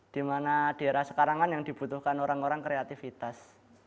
dimana di era sekarang kan yang dibutuhkan orang orang kreatifitas